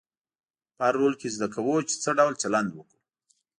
په هر رول کې زده کوو چې څه ډول چلند وکړو.